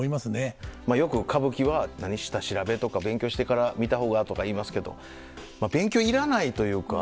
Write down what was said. まあよく「歌舞伎は下調べとか勉強してから見た方が」とか言いますけどまあ勉強いらないというか。